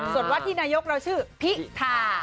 ส่วนวัดที่นายกเราชื่อพิธา